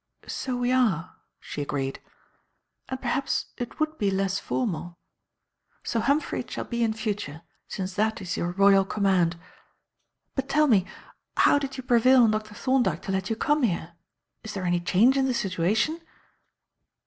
"So we are," she agreed; "and perhaps it would be less formal. So Humphrey it shall be in future, since that is your royal command. But tell me, how did you prevail on Dr. Thorndyke to let you come here? Is there any change in the situation?"